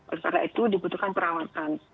oleh karena itu dibutuhkan perawatan